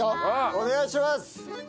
お願いします！